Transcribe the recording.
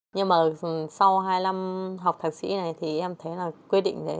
nhưng mà sau hai năm học thạc sĩ này thì em thấy là quy định đấy